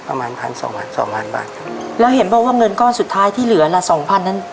ประมาณพันสองพันสองพันบาทครับแล้วเห็นบอกว่าเงินก้อนสุดท้ายที่เหลือละสองพันนั้น